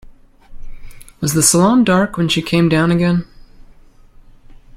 Was the salon dark when she came down again?